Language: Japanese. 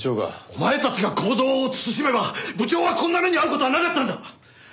お前たちが行動を慎めば部長がこんな目に遭う事はなかったんだ！